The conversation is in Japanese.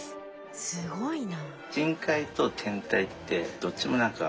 えすごいな。